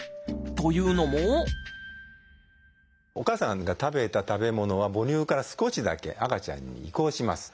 というのもお母さんが食べた食べ物は母乳から少しだけ赤ちゃんに移行します。